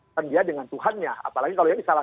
tergiat dengan tuhan nya apalagi kalau yang ini salah